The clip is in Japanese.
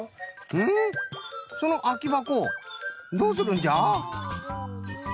そのあきばこどうするんじゃ？